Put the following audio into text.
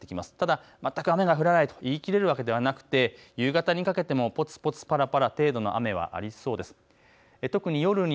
ただ全く雨が降らないと言い切れるわけではなくて夕方にかけてもぽつぽつぱらぱら程度の雨はありそうです。